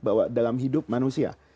bahwa dalam hidup manusia